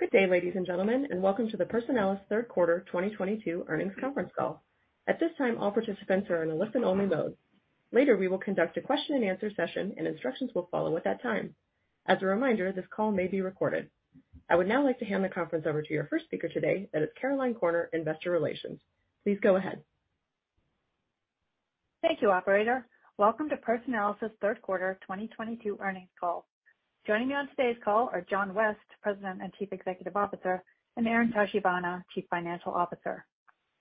Good day, ladies and gentlemen, and welcome to the Personalis Third Quarter 2022 Earnings Conference call. At this time, all participants are in a listen-only mode. Later, we will conduct a question-and-answer session, and instructions will follow at that time. As a reminder, this call may be recorded. I would now like to hand the conference over to your first speaker today, that is Caroline Corner, Investor Relations. Please go ahead. Thank you, operator. Welcome to Personalis' Third Quarter 2022 Earnings call. Joining me on today's call are John West, President and Chief Executive Officer, and Aaron Tachibana, Chief Financial Officer.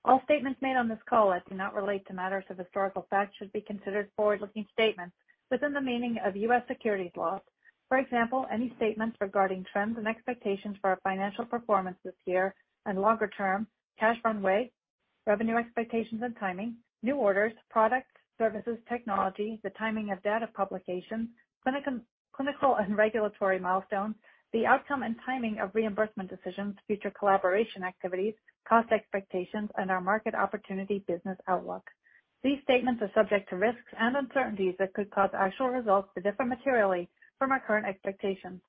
All statements made on this call that do not relate to matters of historical fact should be considered forward-looking statements within the meaning of U.S. securities laws. For example, any statements regarding trends and expectations for our financial performance this year and longer-term cash runway, revenue expectations and timing, new orders, products, services, technology, the timing of data publication, clinical and regulatory milestones, the outcome and timing of reimbursement decisions, future collaboration activities, cost expectations, and our market opportunity business outlook. These statements are subject to risks and uncertainties that could cause actual results to differ materially from our current expectations.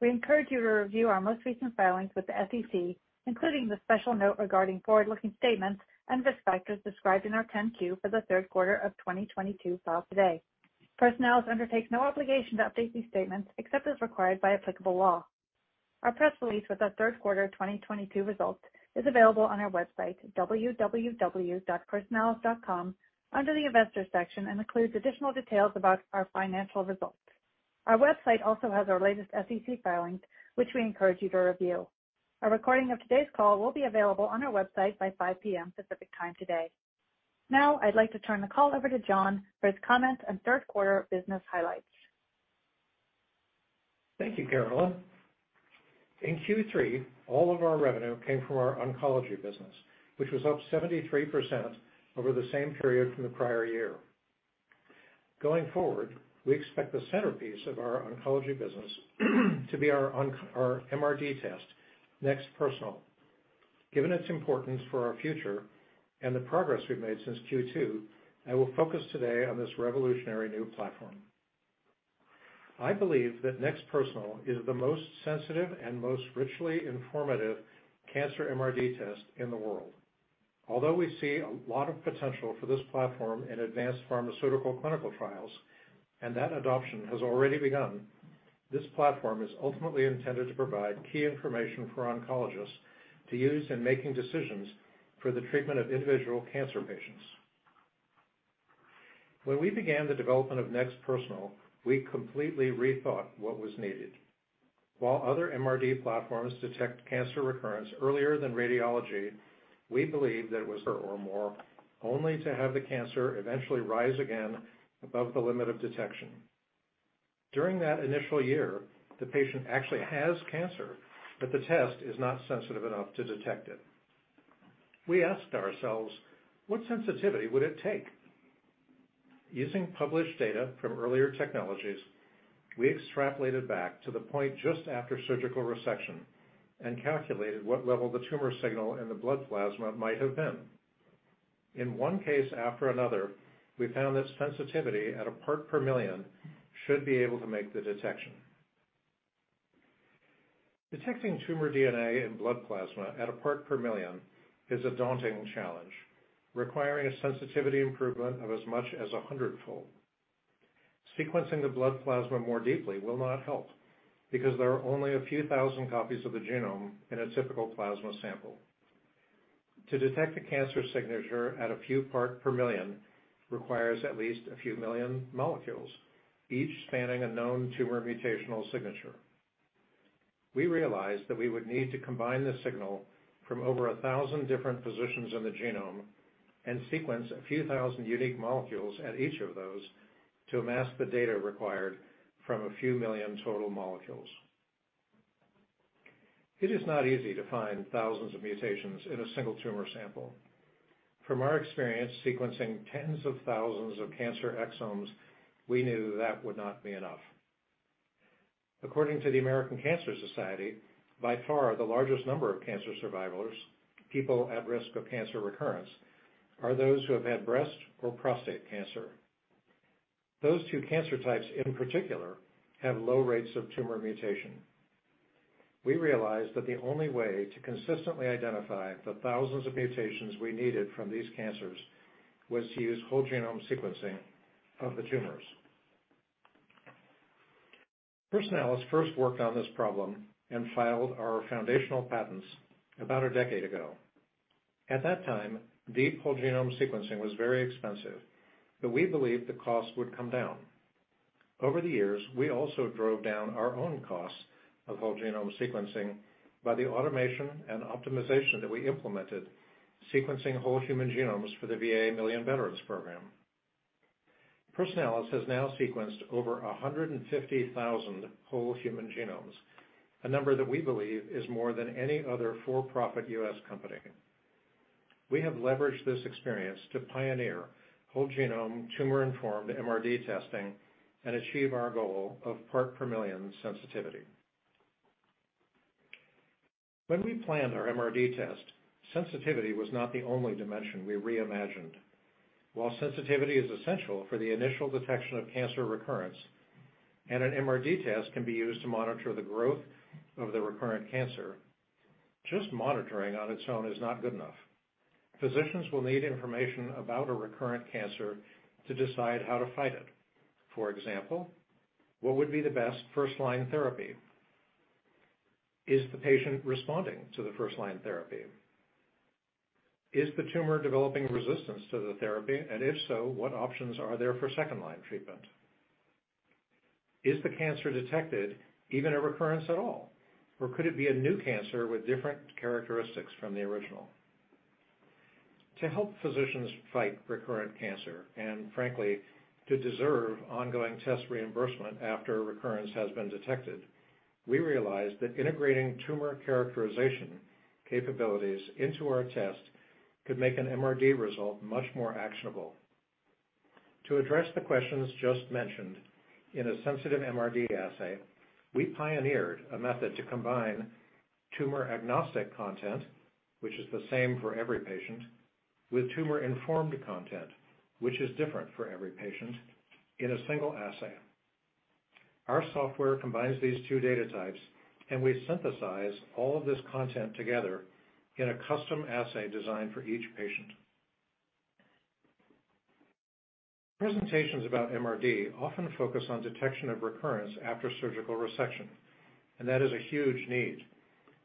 We encourage you to review our most recent filings with the SEC, including the special note regarding forward-looking statements and risk factors described in our 10-Q for the third quarter of 2022 filed today. Personalis undertakes no obligation to update these statements except as required by applicable law. Our press release with our third quarter 2022 results is available on our website, www.personalis.com, under the Investors section, and includes additional details about our financial results. Our website also has our latest SEC filings, which we encourage you to review. A recording of today's call will be available on our website by 5 P.M. Pacific Time today. Now, I'd like to turn the call over to John for his comments on third quarter business highlights. Thank you, Caroline. In Q3, all of our revenue came from our oncology business, which was up 73% over the same period from the prior year. Going forward, we expect the centerpiece of our oncology business to be our MRD test, NeXT Personal. Given its importance for our future and the progress we've made since Q2, I will focus today on this revolutionary new platform. I believe that NeXT Personal is the most sensitive and most richly informative cancer MRD test in the world. Although we see a lot of potential for this platform in advanced pharmaceutical clinical trials, and that adoption has already begun, this platform is ultimately intended to provide key information for oncologists to use in making decisions for the treatment of individual cancer patients. When we began the development of NeXT Personal, we completely rethought what was needed. While other MRD platforms detect cancer recurrence earlier than radiology, we believe that it was one year or more, only to have the cancer eventually rise again above the limit of detection. During that initial year, the patient actually has cancer, but the test is not sensitive enough to detect it. We asked ourselves, what sensitivity would it take? Using published data from earlier technologies, we extrapolated back to the point just after surgical resection and calculated what level the tumor signal in the blood plasma might have been. In one case after another, we found that sensitivity at a part per million should be able to make the detection. Detecting tumor DNA in blood plasma at a part per million is a daunting challenge, requiring a sensitivity improvement of as much as 100-fold. Sequencing the blood plasma more deeply will not help because there are only a few thousand copies of the genome in a typical plasma sample. To detect a cancer signature at a few parts per million requires at least a few million molecules, each spanning a known tumor mutational signature. We realized that we would need to combine the signal from over 1,000 different positions in the genome and sequence a few thousand unique molecules at each of those to amass the data required from a few million total molecules. It is not easy to find thousands of mutations in a single tumor sample. From our experience sequencing tens of thousands of cancer exomes, we knew that would not be enough. According to the American Cancer Society, by far the largest number of cancer survivors, people at risk of cancer recurrence, are those who have had breast or prostate cancer. Those two cancer types, in particular, have low rates of tumor mutation. We realized that the only way to consistently identify the thousands of mutations we needed from these cancers was to use whole genome sequencing of the tumors. Personalis first worked on this problem and filed our foundational patents about a decade ago. At that time, deep whole genome sequencing was very expensive, but we believed the cost would come down. Over the years, we also drove down our own costs of whole genome sequencing by the automation and optimization that we implemented, sequencing whole human genomes for the VA Million Veteran Program. Personalis has now sequenced over 150,000 whole human genomes, a number that we believe is more than any other for-profit U.S. company. We have leveraged this experience to pioneer whole genome tumor-informed MRD testing and achieve our goal of part per million sensitivity. When we planned our MRD test, sensitivity was not the only dimension we reimagined. While sensitivity is essential for the initial detection of cancer recurrence, and an MRD test can be used to monitor the growth of the recurrent cancer, just monitoring on its own is not good enough. Physicians will need information about a recurrent cancer to decide how to fight it. For example, what would be the best first-line therapy? Is the patient responding to the first-line therapy? Is the tumor developing resistance to the therapy, and if so, what options are there for second-line treatment? Is the cancer detected even a recurrence at all, or could it be a new cancer with different characteristics from the original? To help physicians fight recurrent cancer, and frankly, to deserve ongoing test reimbursement after a recurrence has been detected, we realized that integrating tumor characterization capabilities into our test could make an MRD result much more actionable. To address the questions just mentioned in a sensitive MRD assay, we pioneered a method to combine tumor-agnostic content, which is the same for every patient, with tumor-informed content, which is different for every patient, in a single assay. Our software combines these two data types, and we synthesize all of this content together in a custom assay designed for each patient. Presentations about MRD often focus on detection of recurrence after surgical resection, and that is a huge need.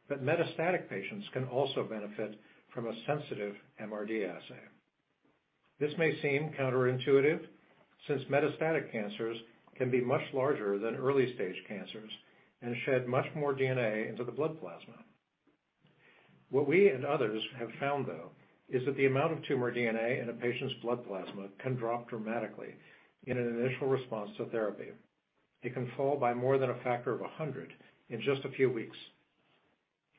Metastatic patients can also benefit from a sensitive MRD assay. This may seem counterintuitive, since metastatic cancers can be much larger than early-stage cancers and shed much more DNA into the blood plasma. What we and others have found, though, is that the amount of tumor DNA in a patient's blood plasma can drop dramatically in an initial response to therapy. It can fall by more than a factor of 100 in just a few weeks.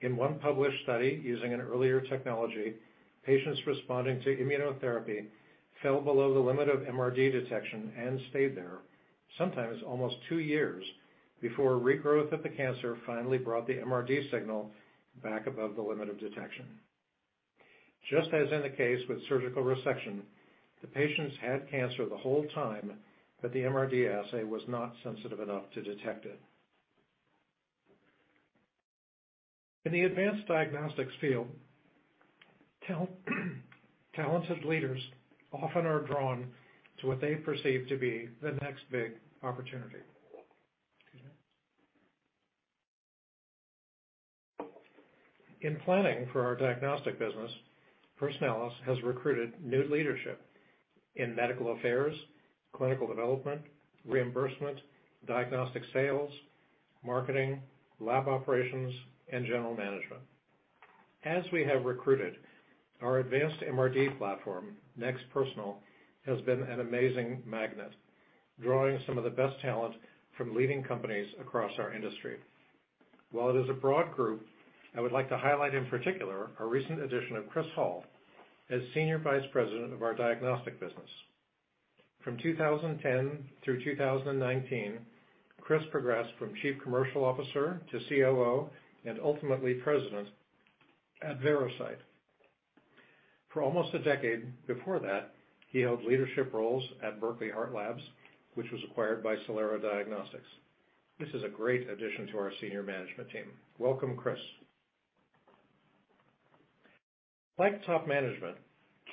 In one published study using an earlier technology, patients responding to immunotherapy fell below the limit of MRD detection and stayed there, sometimes almost 2 years, before regrowth of the cancer finally brought the MRD signal back above the limit of detection. Just as in the case with surgical resection, the patients had cancer the whole time, but the MRD assay was not sensitive enough to detect it. In the advanced diagnostics field, talented leaders often are drawn to what they perceive to be the next big opportunity. Excuse me. In planning for our diagnostic business, Personalis has recruited new leadership in medical affairs, clinical development, reimbursement, diagnostic sales, marketing, lab operations, and general management. As we have recruited, our advanced MRD platform, NeXT Personal, has been an amazing magnet, drawing some of the best talent from leading companies across our industry. While it is a broad group, I would like to highlight in particular our recent addition of Chris Hall as Senior Vice President of our diagnostic business. From 2010 through 2019, Chris progressed from Chief Commercial Officer to COO and ultimately President at Veracyte. For almost a decade before that, he held leadership roles at Berkeley HeartLab, which was acquired by Celera Diagnostics. This is a great addition to our senior management team. Welcome, Chris. Like top management,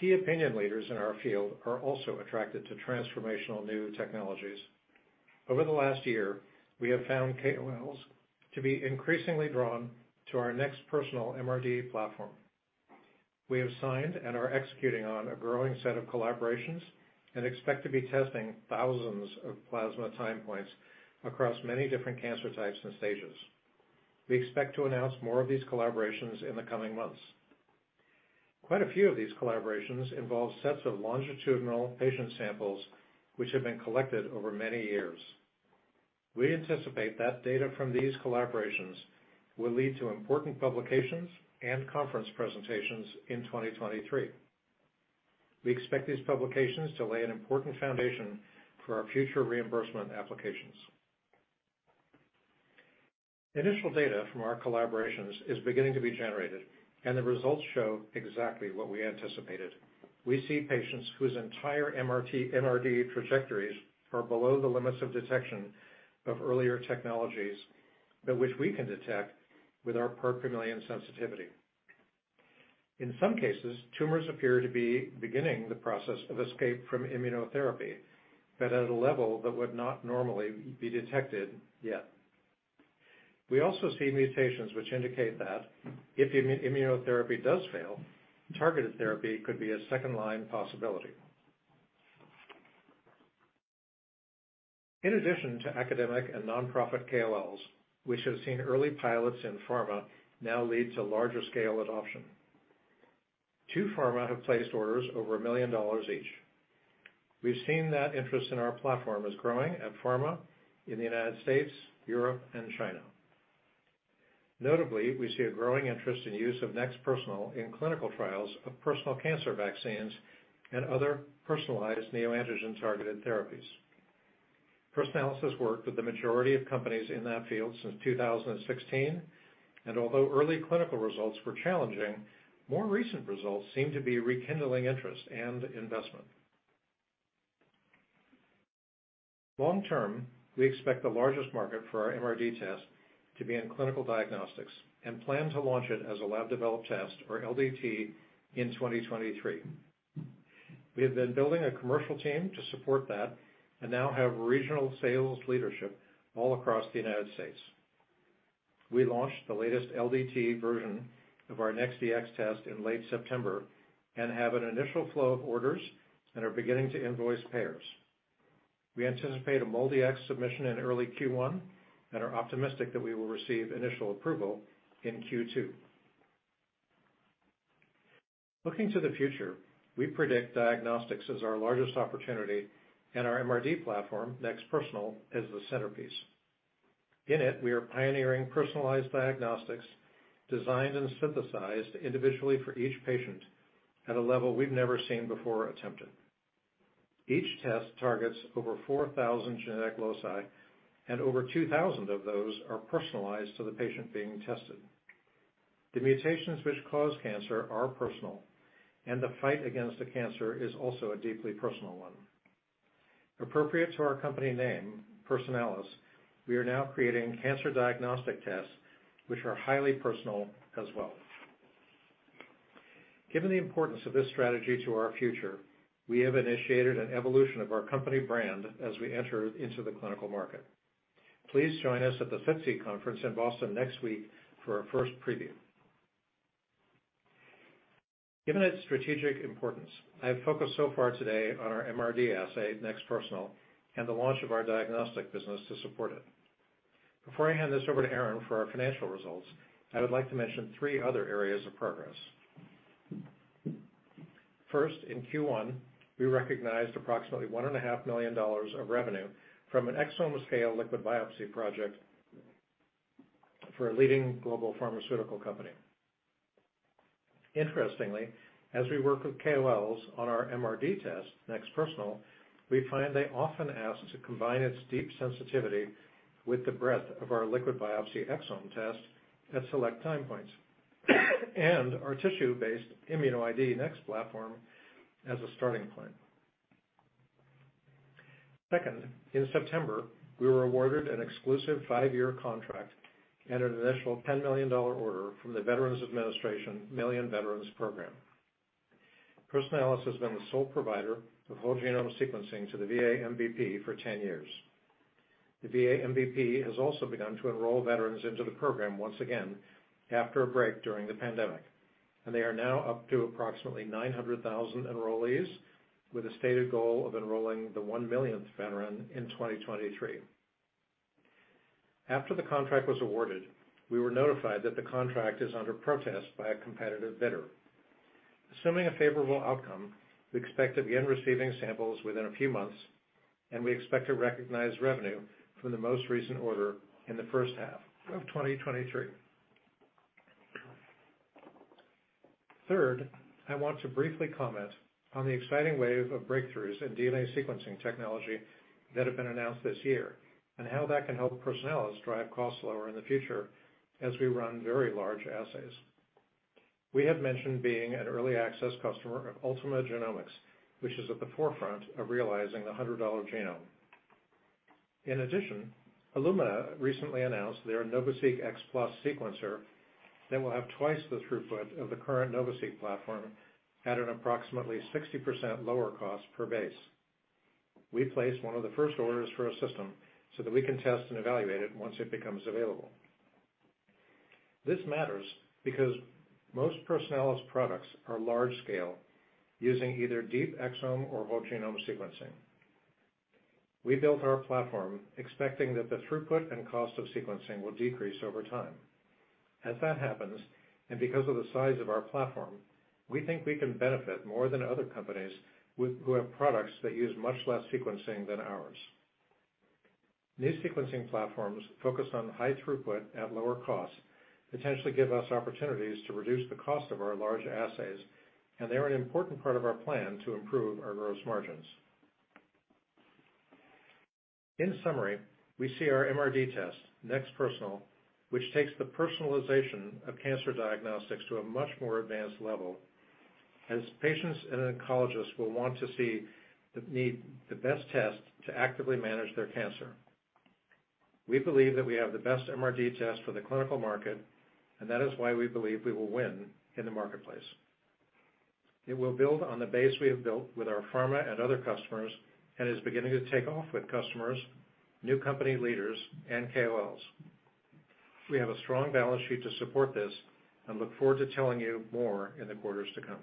key opinion leaders in our field are also attracted to transformational new technologies. Over the last year, we have found KOLs to be increasingly drawn to our NeXT Personal MRD platform. We have signed and are executing on a growing set of collaborations and expect to be testing thousands of plasma time points across many different cancer types and stages. We expect to announce more of these collaborations in the coming months. Quite a few of these collaborations involve sets of longitudinal patient samples which have been collected over many years. We anticipate that data from these collaborations will lead to important publications and conference presentations in 2023. We expect these publications to lay an important foundation for our future reimbursement applications. Initial data from our collaborations is beginning to be generated, and the results show exactly what we anticipated. We see patients whose entire MRD trajectories are below the limits of detection of earlier technologies, but which we can detect with our per million sensitivity. In some cases, tumors appear to be beginning the process of escape from immunotherapy, but at a level that would not normally be detected yet. We also see mutations which indicate that if immunotherapy does fail, targeted therapy could be a second-line possibility. In addition to academic and nonprofit KOLs, we should have seen early pilots in pharma now lead to larger scale adoption. Two pharma have placed orders over $1 million each. We've seen that interest in our platform is growing at pharma in the United States, Europe, and China. Notably, we see a growing interest in use of NeXT Personal in clinical trials of personal cancer vaccines and other personalized neoantigen-targeted therapies. Personalis has worked with the majority of companies in that field since 2016, and although early clinical results were challenging, more recent results seem to be rekindling interest and investment. Long term, we expect the largest market for our MRD test to be in clinical diagnostics, and plan to launch it as a lab developed test, or LDT, in 2023. We have been building a commercial team to support that, and now have regional sales leadership all across the United States. We launched the latest LDT version of our NeXT Dx test in late September, and have an initial flow of orders and are beginning to invoice payers. We anticipate a MolDx submission in early Q1, and are optimistic that we will receive initial approval in Q2. Looking to the future, we predict diagnostics as our largest opportunity and our MRD platform, NeXT Personal, as the centerpiece. In it, we are pioneering personalized diagnostics designed and synthesized individually for each patient at a level we've never seen before attempted. Each test targets over 4,000 genetic loci, and over 2,000 of those are personalized to the patient being tested. The mutations which cause cancer are personal, and the fight against the cancer is also a deeply personal one. Appropriate to our company name, Personalis, we are now creating cancer diagnostic tests which are highly personal as well. Given the importance of this strategy to our future, we have initiated an evolution of our company brand as we enter into the clinical market. Please join us at the SITC conference in Boston next week for our first preview. Given its strategic importance, I have focused so far today on our MRD assay, NeXT Personal, and the launch of our diagnostic business to support it. Before I hand this over to Aaron for our financial results, I would like to mention three other areas of progress. First, in Q1, we recognized approximately $1.5 million of revenue from an exome scale liquid biopsy project for a leading global pharmaceutical company. Interestingly, as we work with KOLs on our MRD test, NeXT Personal, we find they often ask to combine its deep sensitivity with the breadth of our liquid biopsy exome test at select time points, and our tissue-based ImmunoID NeXT platform as a starting point. Second, in September, we were awarded an exclusive 5-year contract and an initial $10 million order from the VA Million Veteran Program. Personalis has been the sole provider of whole genome sequencing to the VA MVP for 10 years. The VA MVP has also begun to enroll veterans into the program once again after a break during the pandemic, and they are now up to approximately 900,000 enrollees with a stated goal of enrolling the 1 millionth veteran in 2023. After the contract was awarded, we were notified that the contract is under protest by a competitive bidder. Assuming a favorable outcome, we expect to begin receiving samples within a few months, and we expect to recognize revenue from the most recent order in the first half of 2023. Third, I want to briefly comment on the exciting wave of breakthroughs in DNA sequencing technology that have been announced this year, and how that can help Personalis drive costs lower in the future as we run very large assays. We have mentioned being an early access customer of Ultima Genomics, which is at the forefront of realizing the $100 genome. In addition, Illumina recently announced their NovaSeq X Plus sequencer that will have twice the throughput of the current NovaSeq platform at an approximately 60% lower cost per base. We placed one of the first orders for a system so that we can test and evaluate it once it becomes available. This matters because most Personalis products are large scale, using either deep exome or whole genome sequencing. We built our platform expecting that the throughput and cost of sequencing will decrease over time. As that happens, and because of the size of our platform, we think we can benefit more than other companies who have products that use much less sequencing than ours. New sequencing platforms focused on high throughput at lower cost potentially give us opportunities to reduce the cost of our large assays, and they are an important part of our plan to improve our gross margins. In summary, we see our MRD test, NeXT Personal, which takes the personalization of cancer diagnostics to a much more advanced level, as patients and oncologists will want to see the best test to actively manage their cancer. We believe that we have the best MRD test for the clinical market, and that is why we believe we will win in the marketplace. It will build on the base we have built with our pharma and other customers, and is beginning to take off with customers, new company leaders, and KOLs. We have a strong balance sheet to support this, and look forward to telling you more in the quarters to come.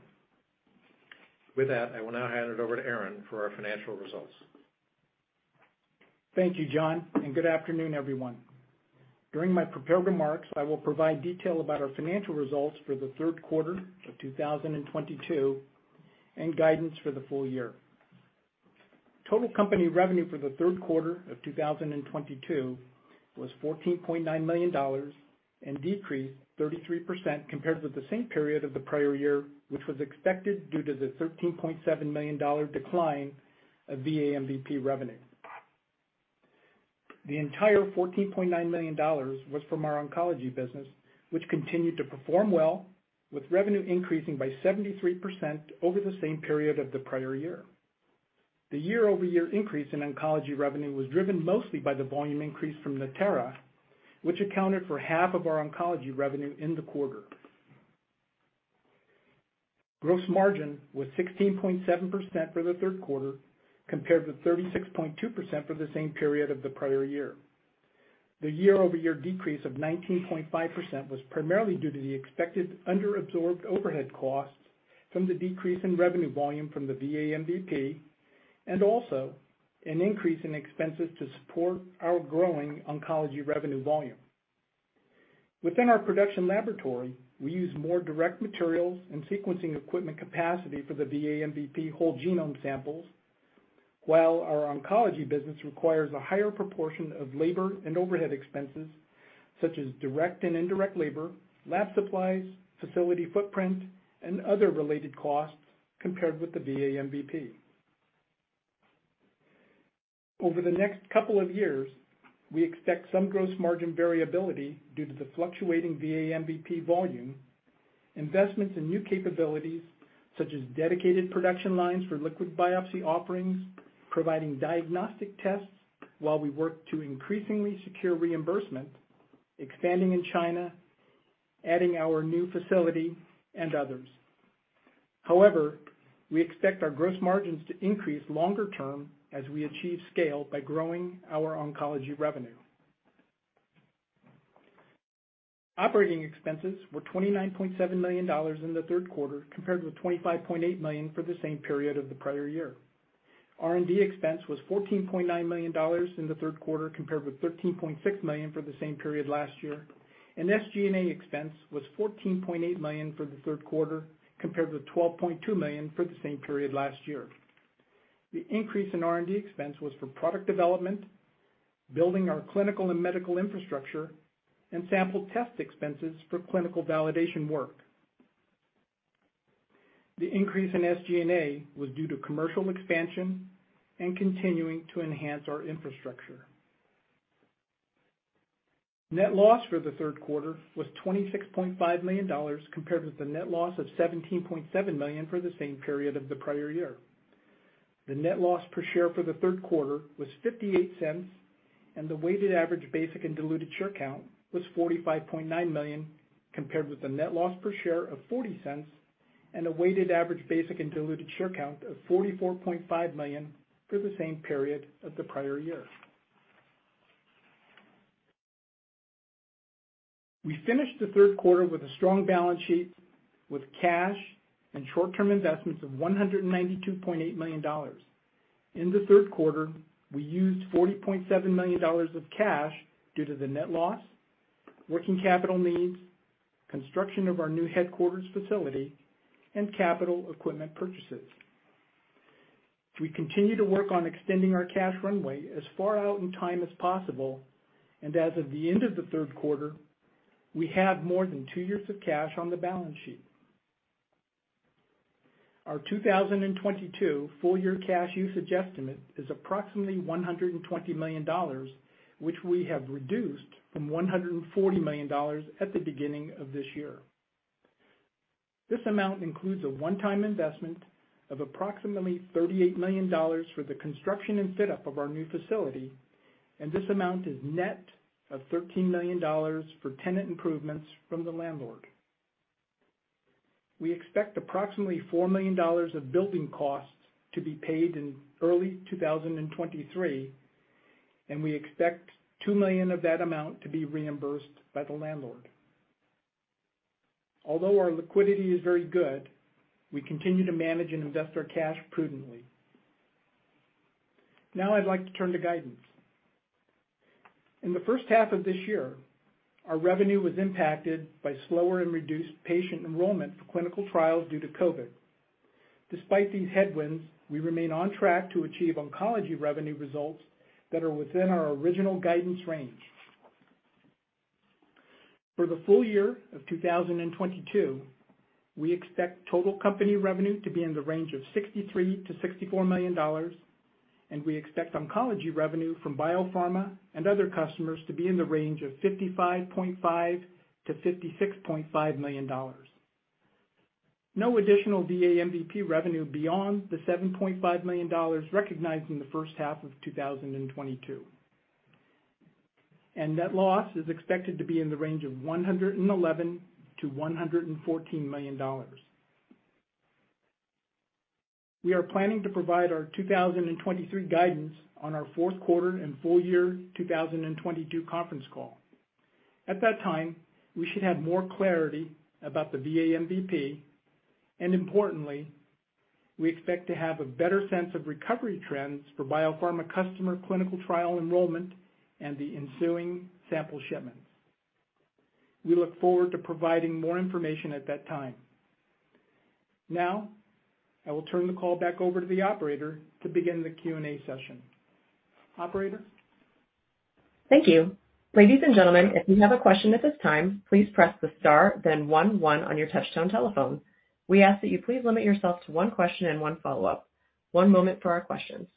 With that, I will now hand it over to Aaron for our financial results. Thank you, John, and good afternoon, everyone. During my prepared remarks, I will provide detail about our financial results for the third quarter of 2022 and guidance for the full year. Total company revenue for the third quarter of 2022 was $14.9 million. Decreased 33% compared with the same period of the prior year, which was expected due to the $13.7 million decline of VA MVP revenue. The entire $14.9 million was from our oncology business, which continued to perform well, with revenue increasing by 73% over the same period of the prior year. The year-over-year increase in oncology revenue was driven mostly by the volume increase from Natera, which accounted for half of our oncology revenue in the quarter. Gross margin was 16.7% for the third quarter compared with 36.2% for the same period of the prior year. The year-over-year decrease of 19.5% was primarily due to the expected under-absorbed overhead costs from the decrease in revenue volume from the VA MVP and also an increase in expenses to support our growing oncology revenue volume. Within our production laboratory, we use more direct materials and sequencing equipment capacity for the VA MVP whole genome samples, while our oncology business requires a higher proportion of labor and overhead expenses, such as direct and indirect labor, lab supplies, facility footprint and other related costs compared with the VA MVP. Over the next couple of years, we expect some gross margin variability due to the fluctuating VA MVP volume, investments in new capabilities such as dedicated production lines for liquid biopsy offerings, providing diagnostic tests while we work to increasingly secure reimbursement, expanding in China, adding our new facility and others. However, we expect our gross margins to increase longer term as we achieve scale by growing our oncology revenue. Operating expenses were $29.7 million in the third quarter compared with $25.8 million for the same period of the prior year. R&D expense was $14.9 million in the third quarter compared with $13.6 million for the same period last year, and SG&A expense was $14.8 million for the third quarter compared with $12.2 million for the same period last year. The increase in R&D expense was for product development, building our clinical and medical infrastructure and sample test expenses for clinical validation work. The increase in SG&A was due to commercial expansion and continuing to enhance our infrastructure. Net loss for the third quarter was $26.5 million compared with the net loss of $17.7 million for the same period of the prior year. The net loss per share for the third quarter was $0.58 and the weighted average basic and diluted share count was 45.9 million compared with the net loss per share of $0.40 and a weighted average basic and diluted share count of 44.5 million for the same period of the prior year. We finished the third quarter with a strong balance sheet with cash and short-term investments of $192.8 million. In the third quarter, we used $40.7 million of cash due to the net loss, working capital needs, construction of our new headquarters facility and capital equipment purchases. We continue to work on extending our cash runway as far out in time as possible, and as of the end of the third quarter, we have more than 2 years of cash on the balance sheet. Our 2022 full year cash usage estimate is approximately $120 million, which we have reduced from $140 million at the beginning of this year. This amount includes a one-time investment of approximately $38 million for the construction and fit-up of our new facility, and this amount is net of $13 million for tenant improvements from the landlord. We expect approximately $4 million of building costs to be paid in early 2023, and we expect $2 million of that amount to be reimbursed by the landlord. Although our liquidity is very good, we continue to manage and invest our cash prudently. Now, I'd like to turn to guidance. In the first half of this year, our revenue was impacted by slower and reduced patient enrollment for clinical trials due to COVID. Despite these headwinds, we remain on track to achieve oncology revenue results that are within our original guidance range. For the full year of 2022, we expect total company revenue to be in the range of $63 million-$64 million, and we expect oncology revenue from biopharma and other customers to be in the range of $55.5 million-$56.5 million. No additional VA MVP revenue beyond the $7.5 million recognized in the first half of 2022. Net loss is expected to be in the range of $111 million-$114 million. We are planning to provide our 2023 guidance on our fourth quarter and full year 2022 conference call. At that time, we should have more clarity about the VA MVP, and importantly, we expect to have a better sense of recovery trends for biopharma customer clinical trial enrollment and the ensuing sample shipments. We look forward to providing more information at that time. Now I will turn the call back over to the operator to begin the Q&A session. Operator? Thank you. Ladies and gentlemen, if you have a question at this time, please press the star then one on your touch-tone telephone. We ask that you please limit yourself to one question and one follow-up. One moment for our questions.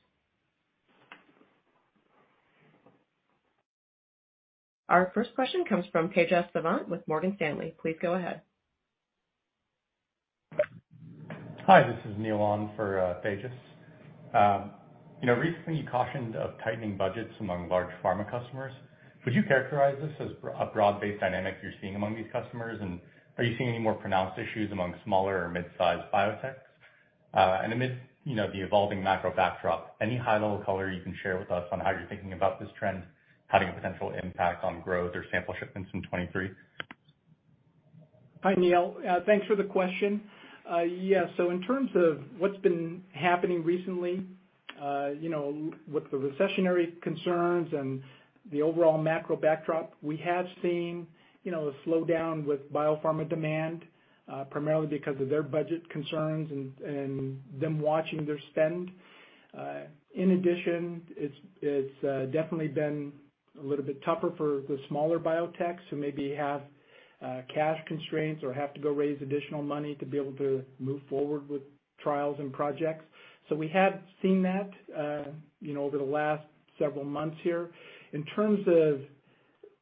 Our first question comes from Tejas Savant with Morgan Stanley. Please go ahead. Hi, this is Neil on for Tejas. You know, recently you cautioned of tightening budgets among large pharma customers. Would you characterize this as a broad-based dynamic you're seeing among these customers? Are you seeing any more pronounced issues among smaller or mid-sized biotechs? Amid, you know, the evolving macro backdrop, any high-level color you can share with us on how you're thinking about this trend having a potential impact on growth or sample shipments in 2023? Hi, Neil. Thanks for the question. Yeah, so in terms of what's been happening recently, you know, with the recessionary concerns and the overall macro backdrop, we have seen, you know, a slowdown with biopharma demand, primarily because of their budget concerns and them watching their spend. In addition, it's definitely been a little bit tougher for the smaller biotechs who maybe have cash constraints or have to go raise additional money to be able to move forward with trials and projects. So we have seen that, you know, over the last several months here. In terms of,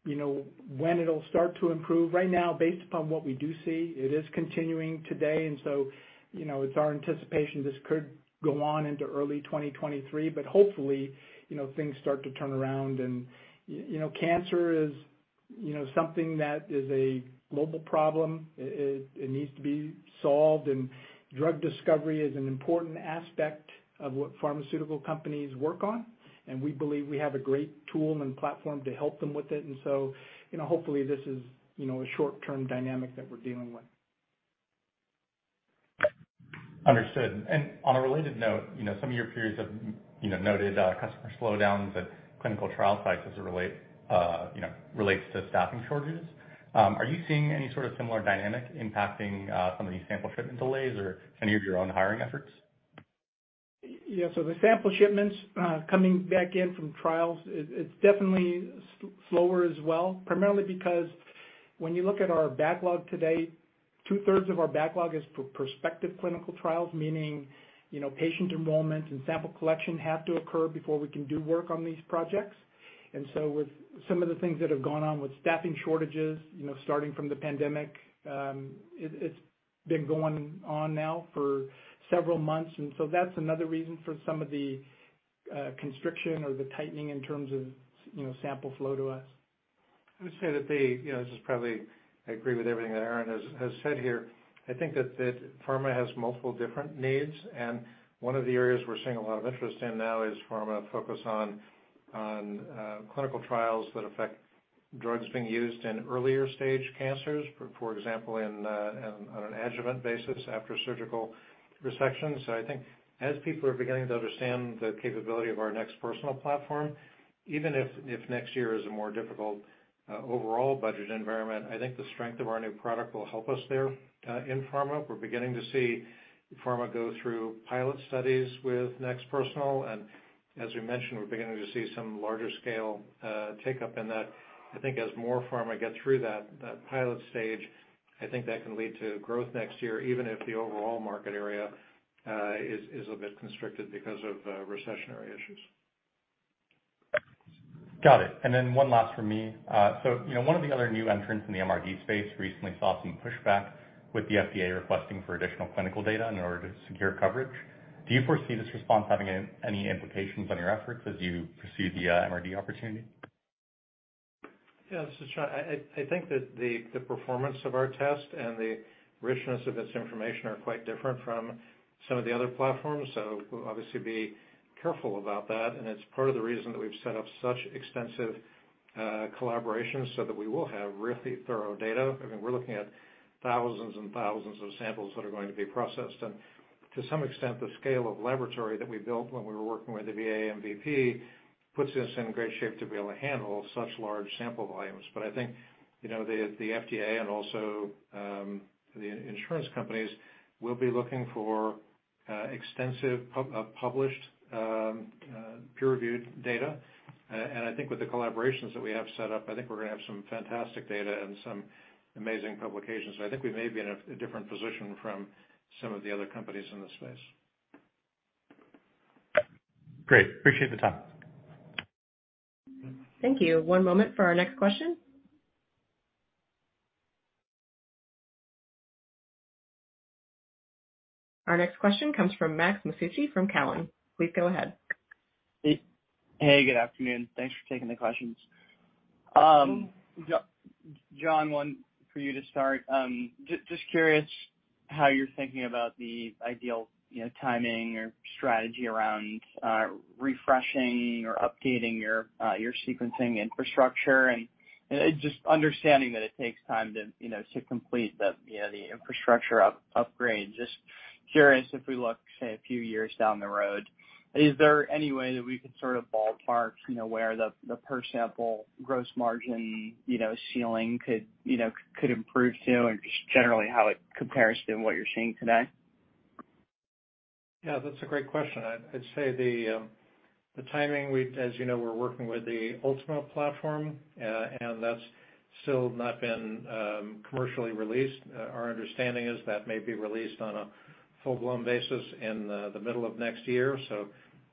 you know, when it'll start to improve, right now, based upon what we do see, it is continuing today. You know, it's our anticipation this could go on into early 2023, but hopefully, you know, things start to turn around. You know, cancer is, you know, something that is a global problem. It needs to be solved, and drug discovery is an important aspect of what pharmaceutical companies work on, and we believe we have a great tool and platform to help them with it. You know, hopefully this is, you know, a short-term dynamic that we're dealing with. Understood. On a related note, you know, some of your peers have, you know, noted customer slowdowns at clinical trial sites as it relates to staffing shortages. Are you seeing any sort of similar dynamic impacting some of these sample shipment delays or any of your own hiring efforts? Yeah. The sample shipments coming back in from trials, it's definitely slower as well, primarily because when you look at our backlog today, two-thirds of our backlog is for prospective clinical trials, meaning, you know, patient enrollment and sample collection have to occur before we can do work on these projects. With some of the things that have gone on with staffing shortages, you know, starting from the pandemic, it's been going on now for several months, that's another reason for some of the constriction or the tightening in terms of you know, sample flow to us. I would say that, you know, this is probably. I agree with everything that Aaron has said here. I think that pharma has multiple different needs, and one of the areas we're seeing a lot of interest in now is pharma focus on clinical trials that affect drugs being used in earlier stage cancers, for example, in on an adjuvant basis after surgical resection. I think as people are beginning to understand the capability of our NeXT Personal platform, even if next year is a more difficult overall budget environment, I think the strength of our new product will help us there in pharma. We're beginning to see pharma go through pilot studies with NeXT Personal, and as we mentioned, we're beginning to see some larger scale take-up in that. I think as more pharma get through that pilot stage, I think that can lead to growth next year, even if the overall market area is a bit constricted because of recessionary issues. Got it. One last from me. You know, one of the other new entrants in the MRD space recently saw some pushback with the FDA requesting for additional clinical data in order to secure coverage. Do you foresee this response having any implications on your efforts as you pursue the MRD opportunity? Yeah, this is John. I think that the performance of our test and the richness of its information are quite different from some of the other platforms, so we'll obviously be careful about that, and it's part of the reason that we've set up such extensive collaborations so that we will have really thorough data. I mean, we're looking at thousands and thousands of samples that are going to be processed. To some extent, the scale of laboratory that we built when we were working with the VA MVP puts us in great shape to be able to handle such large sample volumes. I think, you know, the FDA and also the insurance companies will be looking for extensive published peer-reviewed data. I think with the collaborations that we have set up, I think we're gonna have some fantastic data and some amazing publications. I think we may be in a different position from some of the other companies in this space. Great. Appreciate the time. Thank you. One moment for our next question. Our next question comes from Max Masucci from Cowen. Please go ahead. Hey. Good afternoon. Thanks for taking the questions. John, one for you to start. Just curious how you're thinking about the ideal, you know, timing or strategy around refreshing or updating your sequencing infrastructure. Just understanding that it takes time to, you know, to complete the, you know, the infrastructure upgrade. Just curious if we look, say, a few years down the road, is there any way that we could sort of ballpark, you know, where the per sample gross margin, you know, ceiling could improve to? Just generally how it compares to what you're seeing today. Yeah, that's a great question. I'd say the timing, as you know, we're working with the Ultima platform, and that's still not been commercially released. Our understanding is that may be released on a full-blown basis in the middle of next year.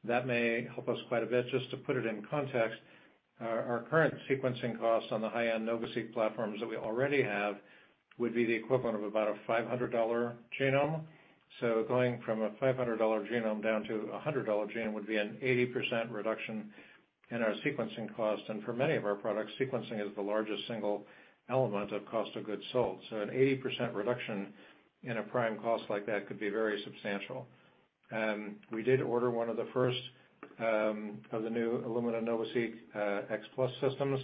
That may help us quite a bit. Just to put it in context, our current sequencing costs on the high-end NovaSeq platforms that we already have would be the equivalent of about a $500 genome. Going from a $500 genome down to a $100 genome would be an 80% reduction in our sequencing cost. For many of our products, sequencing is the largest single element of cost of goods sold. An 80% reduction in a prime cost like that could be very substantial. We did order one of the first of the new Illumina NovaSeq X Plus systems.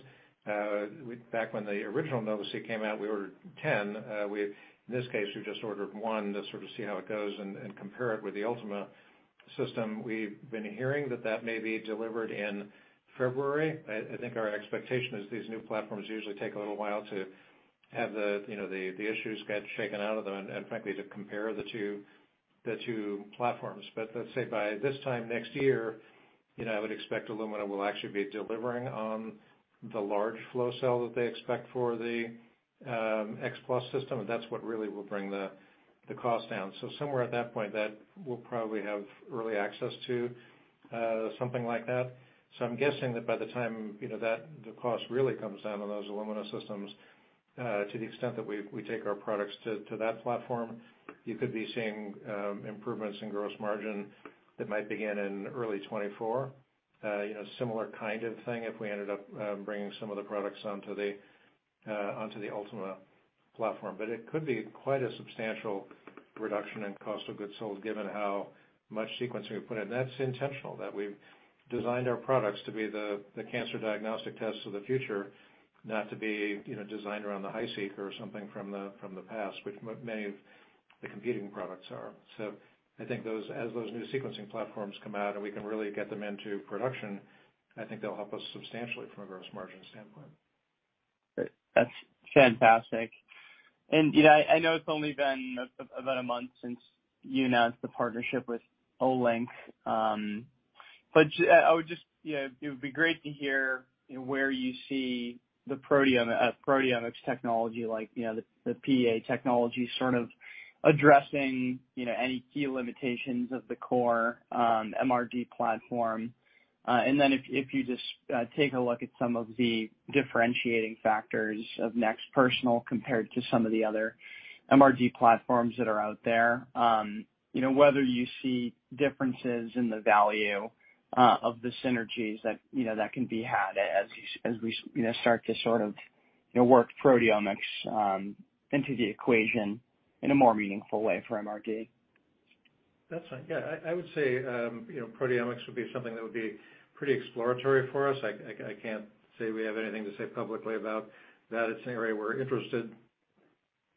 Back when the original NovaSeq came out, we ordered 10. In this case, we've just ordered one to sort of see how it goes and compare it with the Ultima system. We've been hearing that that may be delivered in February. I think our expectation is these new platforms usually take a little while to have you know the issues get shaken out of them, and frankly, to compare the two platforms. Let's say by this time next year, you know, I would expect Illumina will actually be delivering on the large flow cell that they expect for the X Plus system, and that's what really will bring the cost down. Somewhere at that point that we'll probably have early access to something like that. I'm guessing that by the time, you know, that the cost really comes down on those Illumina systems, to the extent that we take our products to that platform, you could be seeing improvements in gross margin that might begin in early 2024. You know, similar kind of thing if we ended up bringing some of the products onto the Ultima platform. It could be quite a substantial reduction in cost of goods sold, given how much sequencing we put in. That's intentional, that we've designed our products to be the cancer diagnostic tests of the future, not to be, you know, designed around the HiSeq or something from the past, which many of the competing products are. I think as those new sequencing platforms come out and we can really get them into production, I think they'll help us substantially from a gross margin standpoint. Great. That's fantastic. You know, I know it's only been about a month since you announced the partnership with Olink, but you know, it would be great to hear, you know, where you see the proteomics technology like, you know, the PEA technology sort of addressing, you know, any key limitations of the core MRD platform. If you just take a look at some of the differentiating factors of NeXT Personal compared to some of the other MRD platforms that are out there, you know, whether you see differences in the value of the synergies that, you know, that can be had as we start to sort of, you know, work proteomics into the equation in a more meaningful way for MRD. That's fine. Yeah. I would say, you know, proteomics would be something that would be pretty exploratory for us. I can't say we have anything to say publicly about that. It's an area we're interested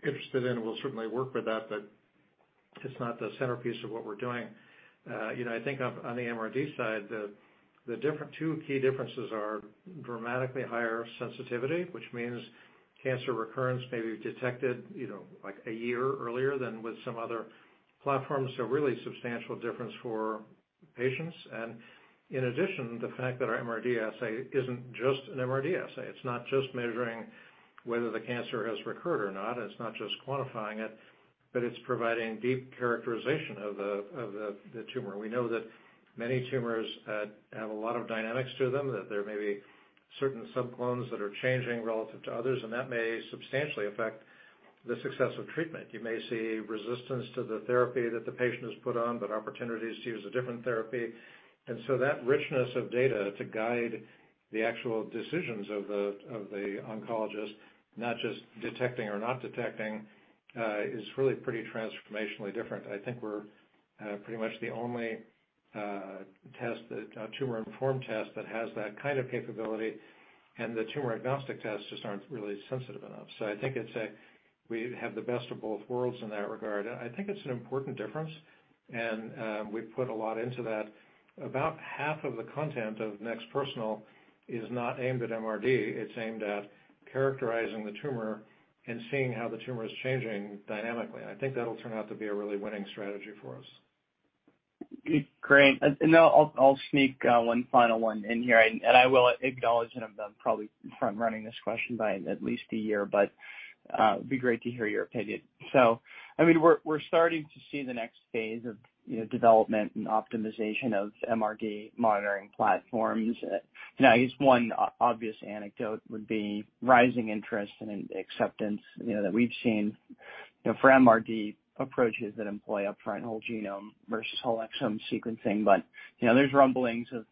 in, and we'll certainly work with that, but it's not the centerpiece of what we're doing. You know, I think on the MRD side, two key differences are dramatically higher sensitivity, which means cancer recurrence may be detected, you know, like a year earlier than with some other platforms, so really substantial difference for patients. In addition, the fact that our MRD assay isn't just an MRD assay. It's not just measuring whether the cancer has recurred or not, it's not just quantifying it, but it's providing deep characterization of the tumor. We know that many tumors have a lot of dynamics to them, that there may be certain sub clones that are changing relative to others, and that may substantially affect the success of treatment. You may see resistance to the therapy that the patient is put on, but opportunities to use a different therapy. That richness of data to guide the actual decisions of the oncologist, not just detecting or not detecting, is really pretty transformationally different. I think we're pretty much the only tumor-informed test that has that kind of capability, and the tumor-agnostic tests just aren't really sensitive enough. I think we have the best of both worlds in that regard. I think it's an important difference, and we've put a lot into that. About half of the content of NeXT Personal is not aimed at MRD, it's aimed at characterizing the tumor and seeing how the tumor is changing dynamically. I think that'll turn out to be a really winning strategy for us. Great. I'll sneak one final one in here, and I will acknowledge that I'm probably front-running this question by at least a year, but it'd be great to hear your opinion. I mean, we're starting to see the next phase of, you know, development and optimization of MRD monitoring platforms. You know, I guess one obvious anecdote would be rising interest and acceptance, you know, that we've seen, you know, for MRD approaches that employ upfront whole genome versus whole exome sequencing. You know, there's rumblings of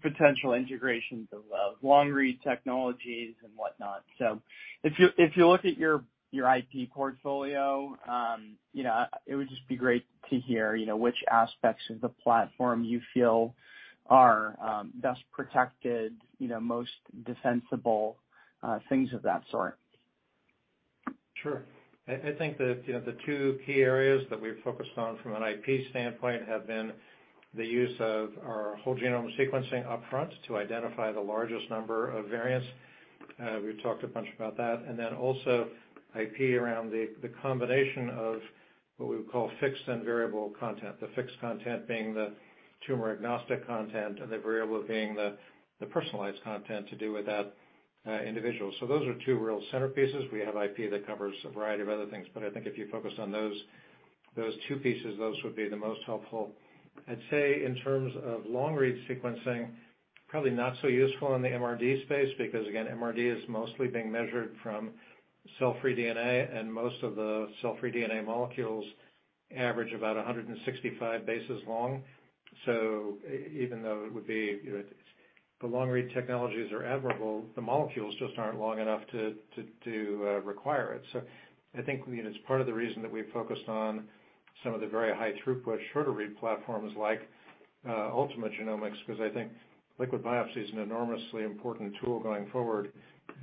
potential integrations of long-read technologies and whatnot. If you look at your IP portfolio, you know, it would just be great to hear, you know, which aspects of the platform you feel are best protected, you know, most defensible, things of that sort. Sure. I think that, you know, the two key areas that we've focused on from an IP standpoint have been the use of our whole genome sequencing upfront to identify the largest number of variants. We've talked a bunch about that. Then also IP around the combination of what we would call fixed and variable content. The fixed content being the tumor-agnostic content and the variable being the personalized content to do with that individual. Those are two real centerpieces. We have IP that covers a variety of other things, but I think if you focus on those two pieces, those would be the most helpful. I'd say in terms of long-read sequencing, probably not so useful in the MRD space because, again, MRD is mostly being measured from cell-free DNA, and most of the cell-free DNA molecules average about 165 bases long. Even though it would be, you know, the long read technologies are admirable, the molecules just aren't long enough to require it. I think, you know, it's part of the reason that we've focused on some of the very high throughput shorter read platforms like Ultima Genomics, because I think liquid biopsy is an enormously important tool going forward,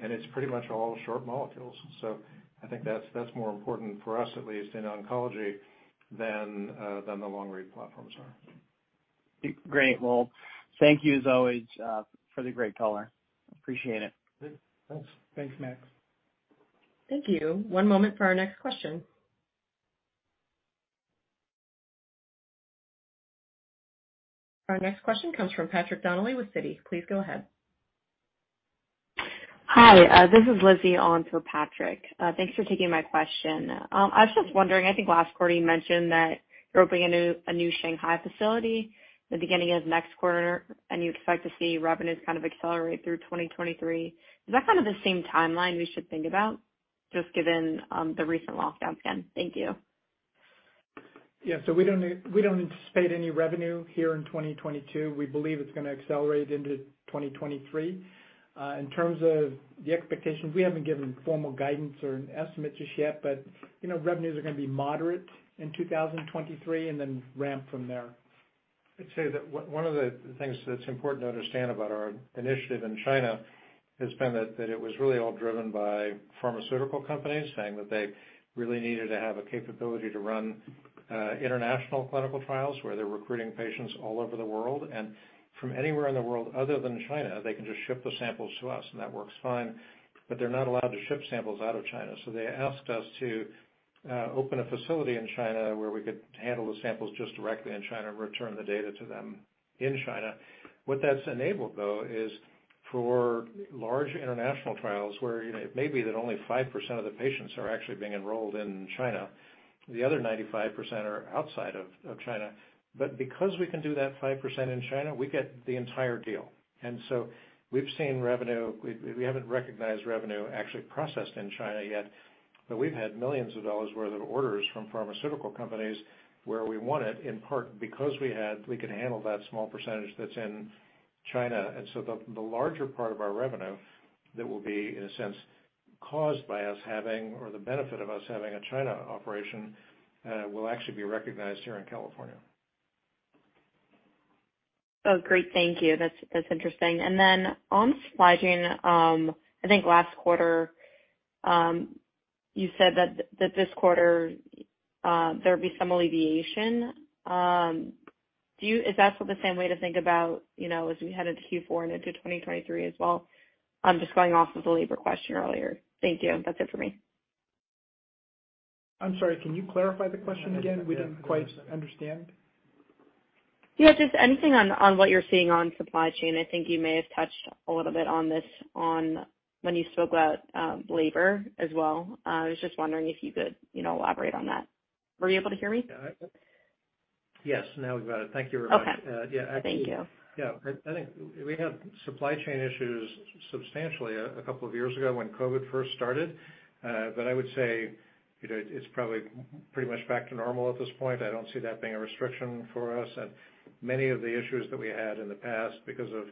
and it's pretty much all short molecules. I think that's more important for us, at least in oncology, than the long-read platforms are. Great. Well, thank you as always, for the great color. Appreciate it. Good. Thanks. Thanks, Max. Thank you. One moment for our next question. Our next question comes from Patrick Donnelly with Citi. Please go ahead. Hi, this is Lizzie on for Patrick. Thanks for taking my question. I was just wondering, I think last quarter you mentioned that you're opening a new Shanghai facility the beginning of next quarter, and you expect to see revenues kind of accelerate through 2023. Is that kind of the same timeline we should think about just given the recent lockdowns again? Thank you. Yeah. We don't anticipate any revenue here in 2022. We believe it's gonna accelerate into 2023. In terms of the expectations, we haven't given formal guidance or an estimate just yet, but, you know, revenues are gonna be moderate in 2023 and then ramp from there. I'd say that one of the things that's important to understand about our initiative in China has been that it was really all driven by pharmaceutical companies saying that they really needed to have a capability to run international clinical trials where they're recruiting patients all over the world. From anywhere in the world other than China, they can just ship the samples to us and that works fine. They're not allowed to ship samples out of China, so they asked us to open a facility in China where we could handle the samples just directly in China and return the data to them in China. What that's enabled, though, is for large international trials where, you know, it may be that only 5% of the patients are actually being enrolled in China, the other 95% are outside of China. Because we can do that 5% in China, we get the entire deal. We've seen revenue. We haven't recognized revenue actually processed in China yet, but we've had $ millions worth of orders from pharmaceutical companies where we won it, in part because we could handle that small percentage that's in China. The larger part of our revenue that will be, in a sense, caused by us having or the benefit of us having a China operation will actually be recognized here in California. Oh, great. Thank you. That's interesting. Then on supply chain, I think last quarter, you said that this quarter, there'd be some alleviation. Is that sort of the same way to think about, you know, as we head into Q4 and into 2023 as well? I'm just going off of the labor question earlier. Thank you. That's it for me. I'm sorry, can you clarify the question again? We didn't quite understand. Yeah, just anything on what you're seeing on supply chain. I think you may have touched a little bit on this when you spoke about labor as well. I was just wondering if you could, you know, elaborate on that. Were you able to hear me? Yes, now we've got it. Thank you very much. Okay. Yeah. Actually. Thank you. Yeah. I think we had supply chain issues substantially a couple of years ago when COVID first started. But I would say, you know, it's probably pretty much back to normal at this point. I don't see that being a restriction for us. Many of the issues that we had in the past because of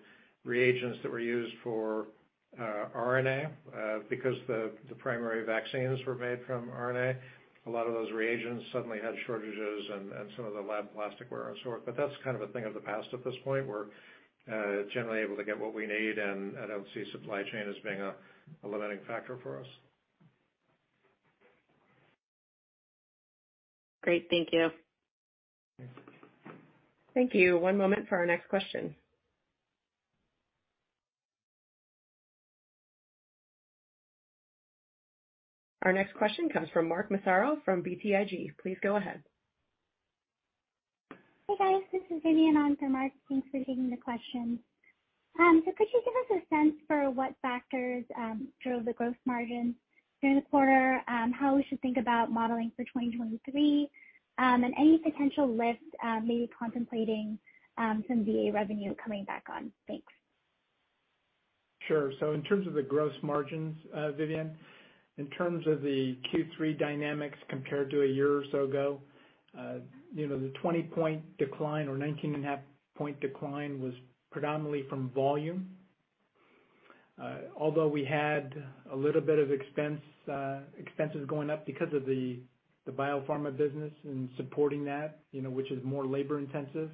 reagents that were used for RNA because the primary vaccines were made from RNA, a lot of those reagents suddenly had shortages and some of the lab plastic ware and so forth. But that's kind of a thing of the past at this point. We're generally able to get what we need and I don't see supply chain as being a limiting factor for us. Great. Thank you. Thanks. Thank you. One moment for our next question. Our next question comes from Mark Massaro from BTIG. Please go ahead. Hey, guys. This is Vivian on for Mark. Thanks for taking the question. Could you give us a sense for what factors drove the gross margin during the quarter, how we should think about modeling for 2023, and any potential lift, maybe contemplating some VA revenue coming back on? Thanks. Sure. In terms of the gross margins, Vivian, in terms of the Q3 dynamics compared to a year or so ago, you know, the 20-point decline or 19.5-point decline was predominantly from volume. Although we had a little bit of expenses going up because of the biopharma business and supporting that, you know, which is more labor intensive,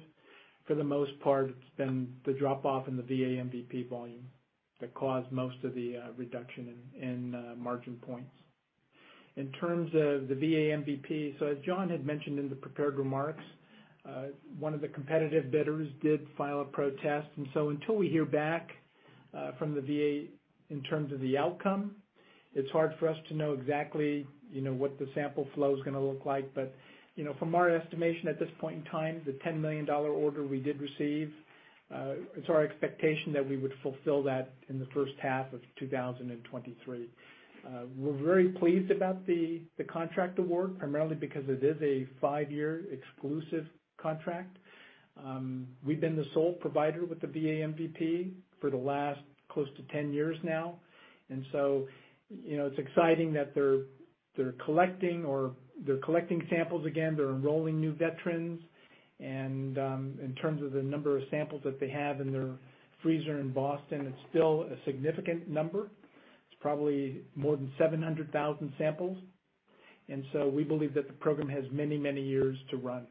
for the most part, it's been the drop off in the VA MVP volume that caused most of the reduction in margin points. In terms of the VA MVP, as John had mentioned in the prepared remarks, one of the competitive bidders did file a protest. Until we hear back from the VA in terms of the outcome, it's hard for us to know exactly, you know, what the sample flow is gonna look like. You know, from our estimation at this point in time, the $10 million order we did receive, it's our expectation that we would fulfill that in the first half of 2023. We're very pleased about the contract award, primarily because it is a five-year exclusive contract. We've been the sole provider with the VA MVP for the last close to 10 years now. You know, it's exciting that they're collecting samples again, they're enrolling new veterans. In terms of the number of samples that they have in their freezer in Boston, it's still a significant number. It's probably more than 700,000 samples. We believe that the program has many, many years to run.